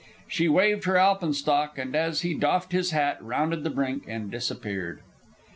She waved her alpenstock, and as he doffed his cap, rounded the brink and disappeared.